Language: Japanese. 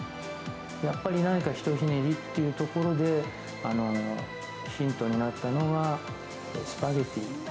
やっぱり何かひとひねりっていうところで、ヒントになったのがス